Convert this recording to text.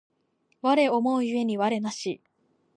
我思う故に我なし